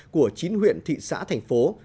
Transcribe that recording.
của chín huyện thị xã thành phố